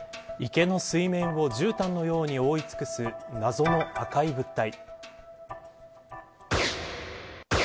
池の水面をじゅうたんのように覆い尽くす謎の赤い物体。